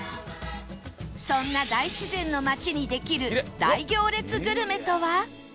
そんな大自然の町にできる大行列グルメとは？